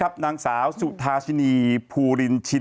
บอกมาก็ได้เดี๋ยวบอกให้